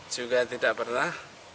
juga tidak pernah